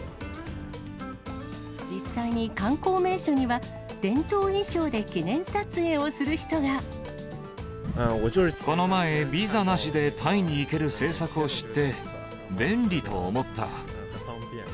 実際に観光名所には、この前、ビザなしでタイに行ける政策を知って、便利と思った。